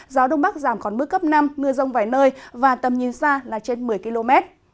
gió đông bắc giảm còn mức cấp năm mưa rông vài nơi và tầm nhìn xa là trên một mươi km